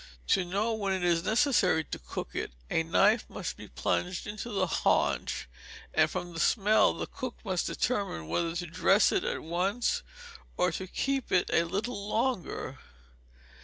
To know when it is necessary to cook it, a knife must be plunged into the haunch; and from the smell the cook must determine whether to dress it at once, or to keep it a little longer.